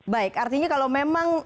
baik artinya kalau memang